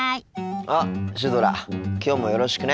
あっシュドラきょうもよろしくね。